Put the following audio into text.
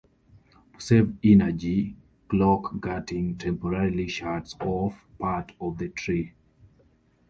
To save energy, clock gating temporarily shuts off part of the tree.